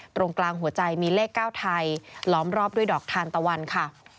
ตรงกลางหัวใจมีเลข๙ไทยล้อมรอบด้วยดอกทานตะวันค่ะ